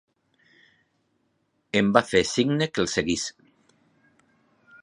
Em va fer signe que el seguís.